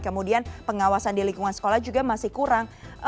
kemudian pengawasan di lingkungan sekolah juga masih kurang